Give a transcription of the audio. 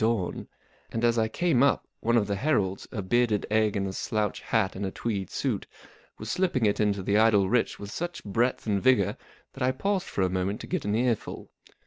Oami ; and as I came up one of the Heralds, a bearded egg in a slouch hat and a tweed suit, was slipping it into the Idle Rich with such breadth and vigour that I paused for a moment to get an earful.